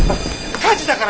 火事だから。